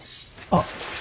あっ。